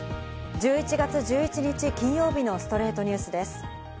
１１月１１日、金曜日の『ストレイトニュース』です。